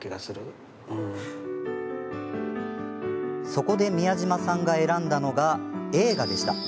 そこで宮島さんが選んだのが映画でした。